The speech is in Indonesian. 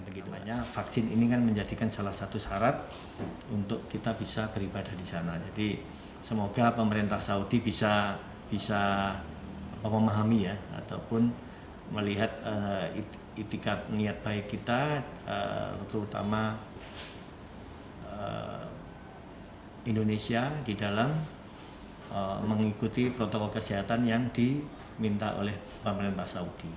namanya vaksin ini kan menjadikan salah satu syarat untuk kita bisa beribadah di sana jadi semoga pemerintah saudi bisa memahami ya ataupun melihat itikat niat baik kita terutama indonesia di dalam mengikuti protokol kesehatan yang diminta oleh pemerintah saudi